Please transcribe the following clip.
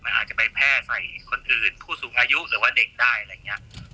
มันอาจจะไปแพร่ใส่คนอื่นผู้สูงอายุหรือว่าเด็กได้อะไรอย่างนี้